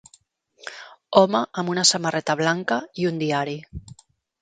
home amb una samarreta blanca i un diari